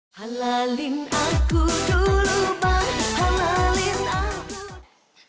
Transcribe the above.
halalin aku dulu bang halalin aku dulu